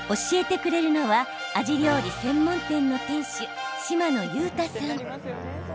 教えてくれるのはアジ料理専門店の店主嶌野雄太さん。